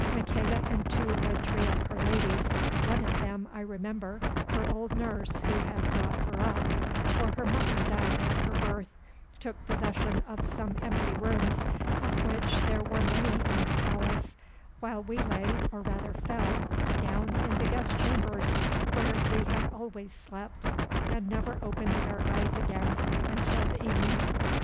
Maqueda and two or three of her ladies, one of them, I remember, her old nurse who had brought her up, for her mother died at her birth, took possession of some empty rooms, of which there were many in the palace, while we lay, or rather fell, down in the guest chambers, where we had always slept, and never opened our eyes again until the evening.